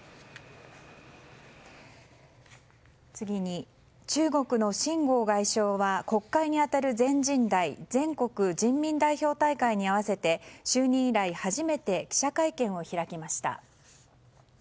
次に、中国のシン・ゴウ外相は国会に当たる全人代・全国人民代表大会に合わせて就任以来初めて記者会見を開きました。